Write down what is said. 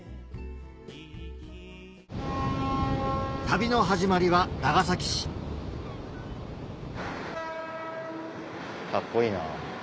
旅の始まりは長崎市カッコいいな。